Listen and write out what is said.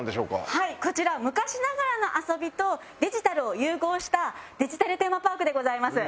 はいこちら昔ながらの遊びとデジタルを融合したデジタルテーマパークでございます。